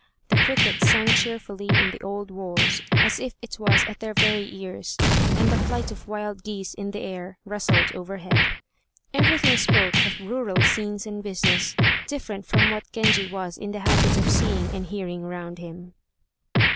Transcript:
The cricket sang cheerfully in the old walls as if it was at their very ears, and the flight of wild geese in the air rustled overhead. Everything spoke of rural scenes and business, different from what Genji was in the habit of seeing and hearing round him.